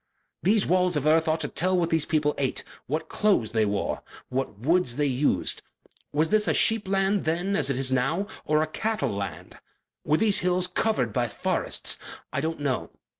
These walls of earth ought to tell what these people ate, what clothes they wore, what woods they used. Was this a sheep land then as it is now, or a cattle land? Were these hills covered by forests? I don't know.